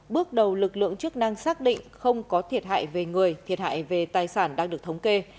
bước đầu lực lượng chức năng xác định không có thiệt hại về người thiệt hại về tài sản đang được thống kê